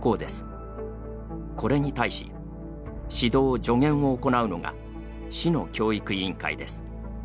これに対し指導・助言を行うのが市の教育委員会です。